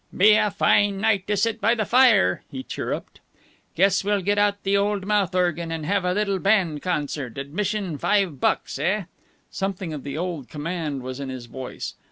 "Be a fine night to sit by the fire," he chirruped. "Guess we'll get out the old mouth organ and have a little band concert, admission five bucks, eh?" Something of the old command was in his voice.